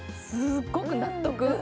すっごく納得。